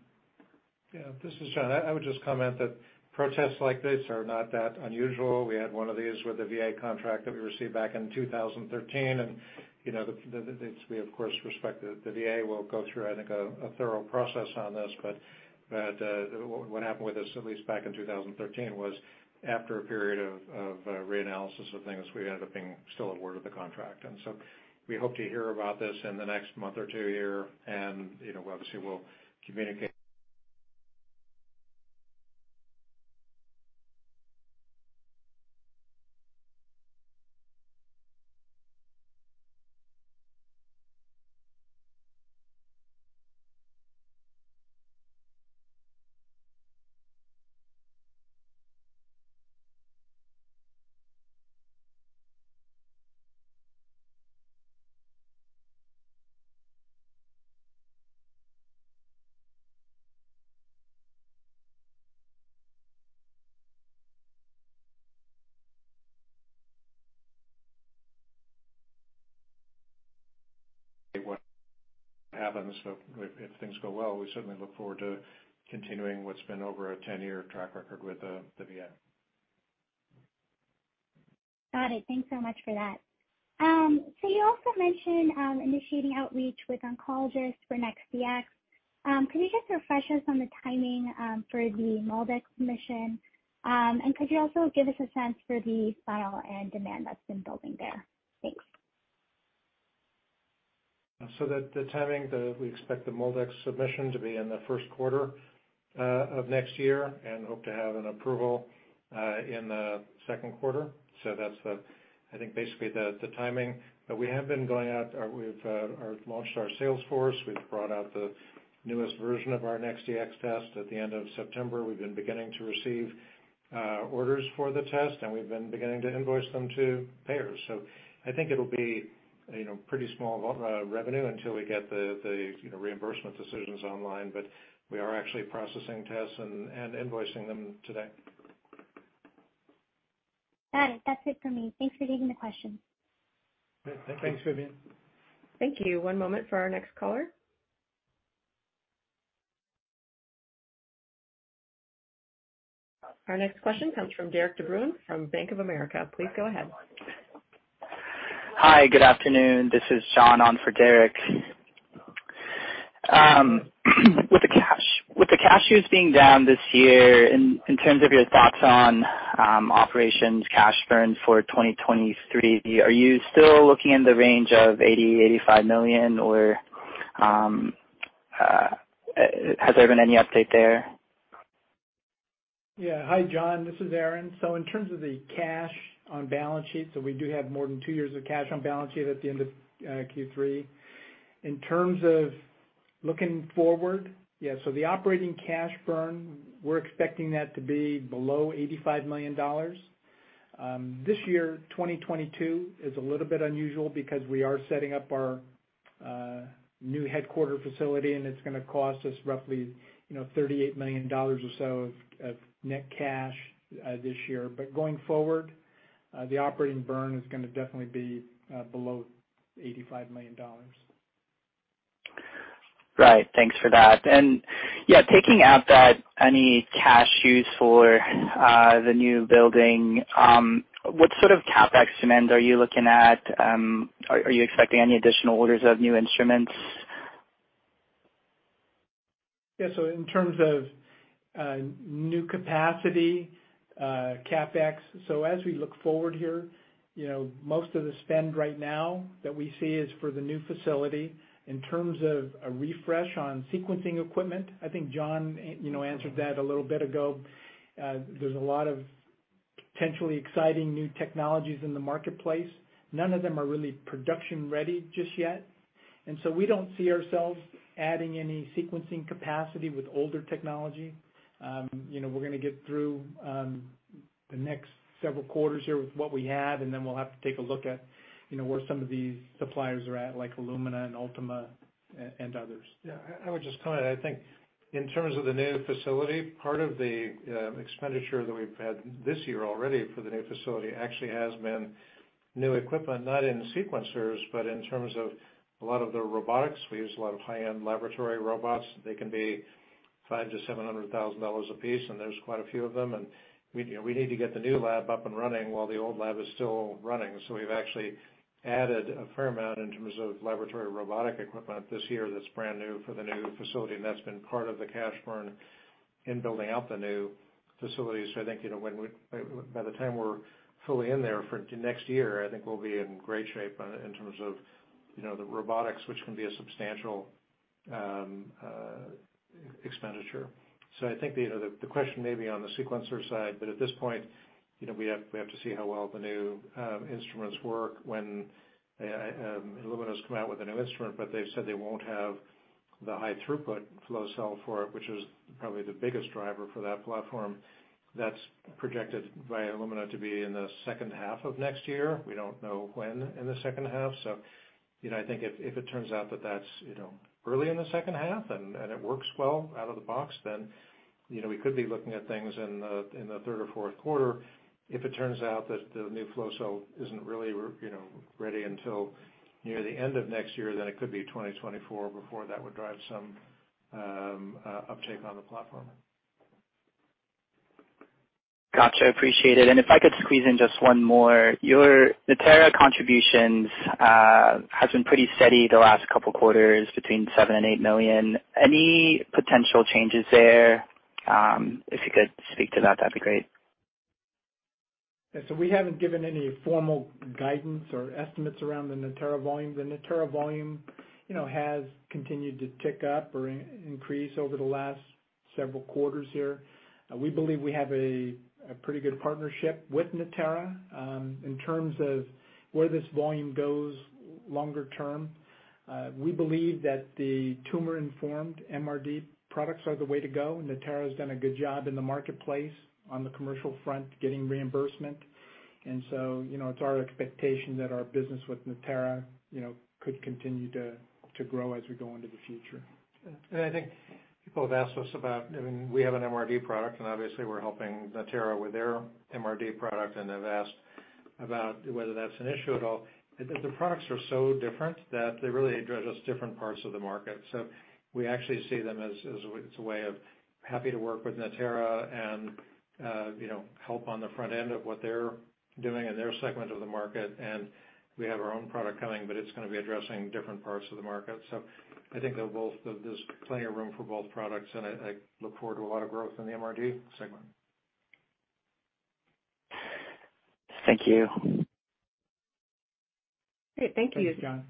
Yeah, this is John. I would just comment that protests like this are not that unusual. We had one of these with the VA contract that we received back in 2013. You know, we of course respect that the VA will go through, I think, a thorough process on this. What happened with us, at least back in 2013, was after a period of reanalysis of things, we ended up being still awarded the contract. We hope to hear about this in the next month or two here. You know, obviously, we'll communicate what happens. If things go well, we certainly look forward to continuing what's been over a 10-year track record with the VA. Got it. Thanks so much for that. You also mentioned initiating outreach with oncologists for NeXT Dx. Can you just refresh us on the timing for the MolDx submission? Could you also give us a sense for the pipeline and demand that's been building there? Thanks. The timing we expect the MolDx submission to be in the first quarter of next year, and hope to have an approval in the second quarter. That's the timing. I think, basically the timing. We have been going out. We've launched our sales force. We've brought out the newest version of our NeXT Dx test at the end of September. We've been beginning to receive orders for the test, and we've been beginning to invoice them to payers. I think it'll be, you know, pretty small revenue until we get the, you know, reimbursement decisions online. We are actually processing tests and invoicing them today. Got it. That's it for me. Thanks for taking the question. Yeah. Thanks, Vivian. Thank you. One moment for our next caller. Our next question comes from Derik De Bruin from Bank of America. Please go ahead. Hi, good afternoon. This is John on for Derik. With the cash use being down this year, in terms of your thoughts on operations cash burn for 2023, are you still looking in the range of $80 million-$85 million or has there been any update there? Hi, John, this is Aaron. In terms of the cash on balance sheet, we do have more than two years of cash on balance sheet at the end of Q3. In terms of looking forward, the operating cash burn, we're expecting that to be below $85 million. This year, 2022, is a little bit unusual because we are setting up our new headquarters facility, and it's gonna cost us roughly $38 million or so of net cash this year. Going forward, the operating burn is gonna definitely be below $85 million. Right. Thanks for that. Yeah, taking out that any cash use for the new building, what sort of CapEx demand are you looking at? Are you expecting any additional orders of new instruments? Yeah. In terms of new capacity, CapEx, as we look forward here, you know, most of the spend right now that we see is for the new facility. In terms of a refresh on sequencing equipment, I think John, you know, answered that a little bit ago. There's a lot of potentially exciting new technologies in the marketplace. None of them are really production ready just yet, and so we don't see ourselves adding any sequencing capacity with older technology. You know, we're gonna get through the next several quarters here with what we have, and then we'll have to take a look at, you know, where some of these suppliers are at, like Illumina and Ultima and others. Yeah. I would just comment. I think in terms of the new facility, part of the expenditure that we've had this year already for the new facility actually has been new equipment, not in sequencers, but in terms of a lot of the robotics. We use a lot of high-end laboratory robots. They can be $500,000-$700,000 a piece, and there's quite a few of them. You know, we need to get the new lab up and running while the old lab is still running. We've actually added a fair amount in terms of laboratory robotic equipment this year that's brand new for the new facility, and that's been part of the cash burn in building out the new facilities. I think, you know, by the time we're fully in there for next year, I think we'll be in great shape in terms of, you know, the robotics, which can be a substantial expenditure. I think, you know, the question may be on the sequencer side, but at this point, you know, we have to see how well the new instruments work when Illumina's come out with a new instrument, but they've said they won't have the high throughput flow cell for it, which is probably the biggest driver for that platform. That's projected by Illumina to be in the second half of next year. We don't know when in the second half. I think if it turns out that that's you know early in the second half and it works well out of the box, then you know we could be looking at things in the third or fourth quarter. If it turns out that the new flow cell isn't really you know ready until near the end of next year, then it could be 2024 before that would drive some uptake on the platform. Gotcha. Appreciate it. If I could squeeze in just one more. Your Natera contributions has been pretty steady the last couple quarters between $7 million-$8 million. Any potential changes there? If you could speak to that'd be great. Yeah. We haven't given any formal guidance or estimates around the Natera volume. The Natera volume, you know, has continued to tick up or increase over the last several quarters here. We believe we have a pretty good partnership with Natera. In terms of where this volume goes longer term, we believe that the tumor-informed MRD products are the way to go. Natera's done a good job in the marketplace on the commercial front, getting reimbursement. You know, it's our expectation that our business with Natera, you know, could continue to grow as we go into the future. I think people have asked us about, I mean, we have an MRD product, and obviously, we're helping Natera with their MRD product, and they've asked about whether that's an issue at all. The products are so different that they really address different parts of the market. We actually see them as it's a way of happy to work with Natera and, you know, help on the front end of what they're doing in their segment of the market. We have our own product coming, but it's gonna be addressing different parts of the market. I think they're both. There's plenty of room for both products, and I look forward to a lot of growth in the MRD segment. Thank you. Thank you, John.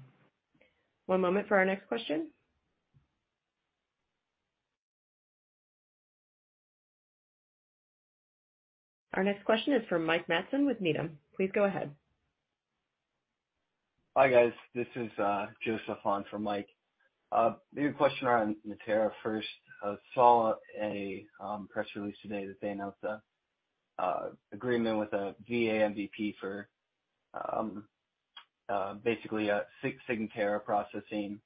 One moment for our next question. Our next question is from Mike Matson with Needham. Please go ahead. Hi, guys. This is Joseph on for Mike. Maybe a question around Natera first. I saw a press release today that they announced an agreement with a VA MVP for basically a Signatera processing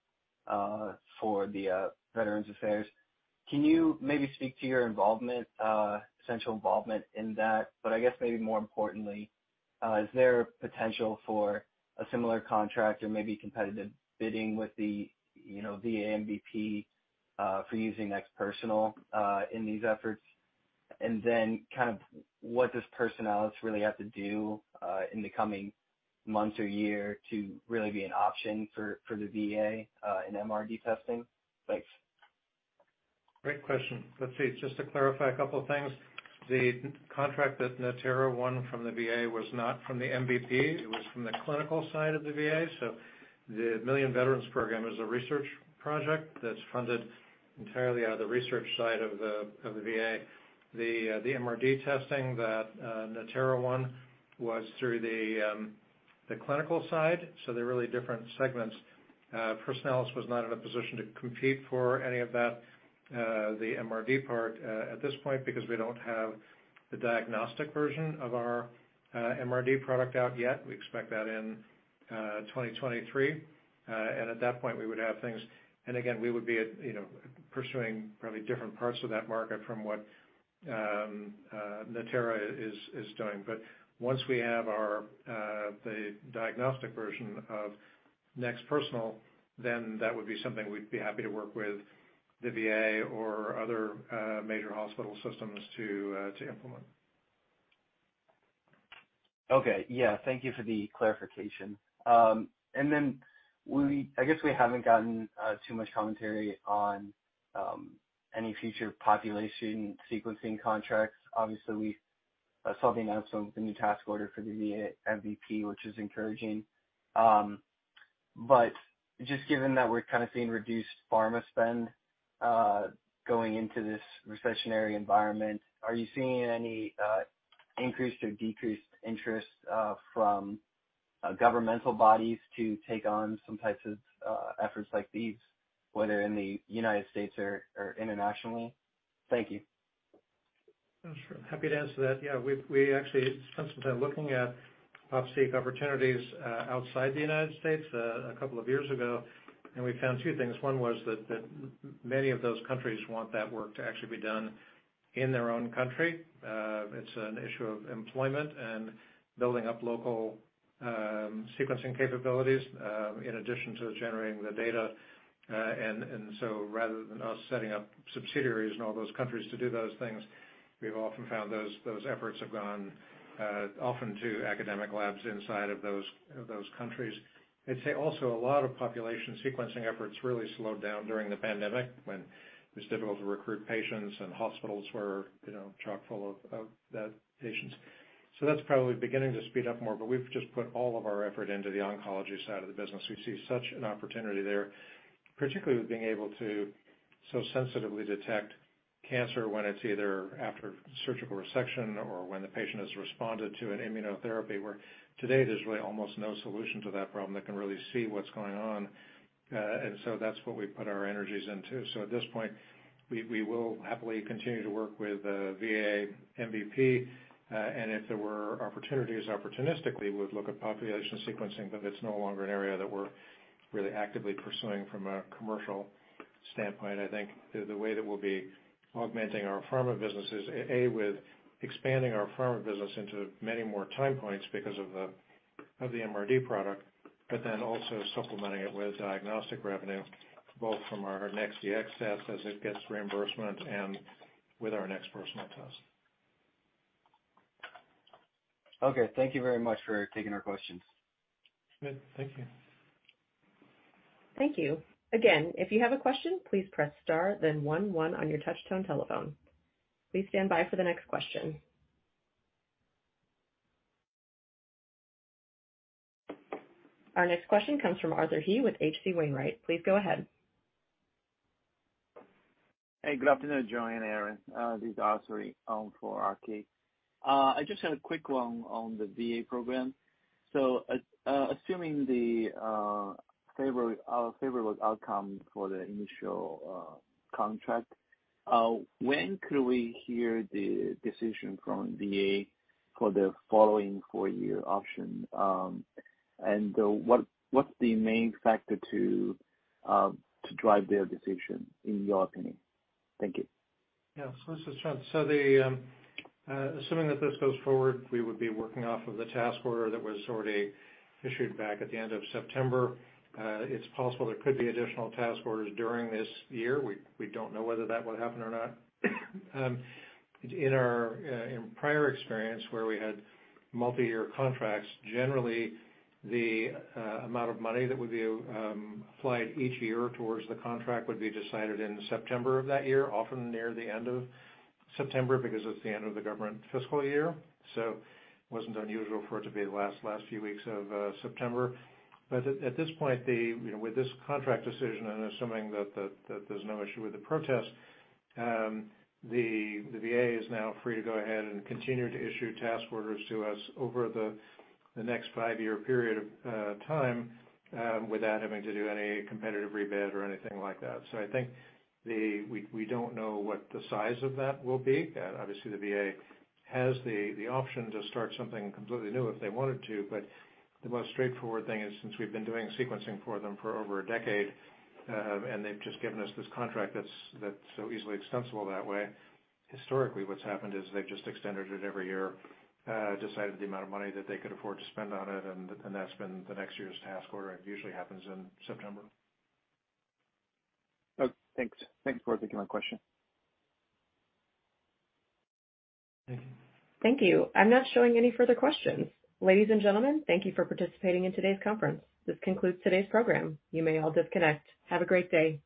for the Veterans Affairs. Can you maybe speak to your involvement, essential involvement in that? I guess maybe more importantly, is there potential for a similar contract or maybe competitive bidding with the, you know, VA MVP for using NeXT Personal in these efforts? Kind of what does Personalis really have to do in the coming months or year to really be an option for the VA in MRD testing? Thanks. Great question. Let's see. Just to clarify a couple of things, the contract that Natera won from the VA was not from the MVP, it was from the clinical side of the VA. The Million Veteran Program is a research project that's funded entirely out of the research side of the VA. The MRD testing that Natera won was through the clinical side, so they're really different segments. Personalis was not in a position to compete for any of that, the MRD part, at this point because we don't have the diagnostic version of our MRD product out yet. We expect that in 2023. At that point, we would have things. Again, we would be at, you know, pursuing probably different parts of that market from what Natera is doing. Once we have the diagnostic version of NeXT Personal, then that would be something we'd be happy to work with the VA or other major hospital systems to implement. Okay. Yeah. Thank you for the clarification. I guess we haven't gotten too much commentary on any future population sequencing contracts. Obviously, we saw the announcement with the new task order for the VA MVP, which is encouraging. Just given that we're kind of seeing reduced pharma spend going into this recessionary environment, are you seeing any increased or decreased interest from governmental bodies to take on some types of efforts like these, whether in the United States or internationally? Thank you. Sure. Happy to answer that. Yeah, we actually spent some time looking at Pop-Seq opportunities outside the United States a couple of years ago, and we found two things. One was that many of those countries want that work to actually be done in their own country. It's an issue of employment and building up local sequencing capabilities in addition to generating the data. So rather than us setting up subsidiaries in all those countries to do those things, we've often found those efforts have gone often to academic labs inside of those countries. I'd say also a lot of population sequencing efforts really slowed down during the pandemic when it was difficult to recruit patients and hospitals were chock-full of those patients. That's probably beginning to speed up more, but we've just put all of our effort into the oncology side of the business. We see such an opportunity there, particularly with being able to so sensitively detect cancer when it's either after surgical resection or when the patient has responded to an immunotherapy, where today there's really almost no solution to that problem that can really see what's going on. That's what we put our energies into. At this point, we will happily continue to work with VA MVP, and if there were opportunities, opportunistically we would look at population sequencing, but it's no longer an area that we're really actively pursuing from a commercial standpoint. I think the way that we'll be augmenting our pharma business is a, with expanding our pharma business into many more time points because of the MRD product, but then also supplementing it with diagnostic revenue, both from our NeXT Dx test as it gets reimbursement and with our NeXT Personal test. Okay. Thank you very much for taking our questions. Good. Thank you. Thank you. Again, if you have a question, please press star then one on your touchtone telephone. Please stand by for the next question. Our next question comes from Arthur He with H.C. Wainwright. Please go ahead. Hey, good afternoon, John and Aaron. This is Arthur He for RK. I just had a quick one on the VA program. Assuming the favorable outcome for the initial contract, when could we hear the decision from VA for the following four-year option? What's the main factor to drive their decision, in your opinion? Thank you. Yes. This is John. Assuming that this goes forward, we would be working off of the task order that was already issued back at the end of September. It's possible there could be additional task orders during this year. We don't know whether that will happen or not. In our prior experience, where we had multi-year contracts, generally the amount of money that would be applied each year towards the contract would be decided in September of that year, often near the end of September, because it's the end of the government fiscal year. It wasn't unusual for it to be the last few weeks of September. But at this point, You know, with this contract decision and assuming that there's no issue with the protest, the VA is now free to go ahead and continue to issue task orders to us over the next five-year period of time, without having to do any competitive rebid or anything like that. I think we don't know what the size of that will be. Obviously, the VA has the option to start something completely new if they wanted to. The most straightforward thing is, since we've been doing sequencing for them for over a decade, and they've just given us this contract that's so easily extensible that way, historically, what's happened is they've just extended it every year, decided the amount of money that they could afford to spend on it, and that's been the next year's task order. It usually happens in September. Okay, thanks. Thanks for taking my question. Thank you. Thank you. I'm not showing any further questions. Ladies and gentlemen, thank you for participating in today's conference. This concludes today's program. You may all disconnect. Have a great day.